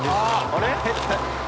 あれ？